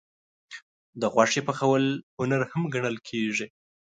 د غوښې پخول هنر هم ګڼل کېږي.